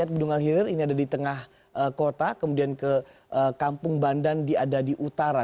bendungan hilir ini ada di tengah kota kemudian ke kampung bandan ada di utara